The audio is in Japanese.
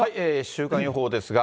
週間予報ですが。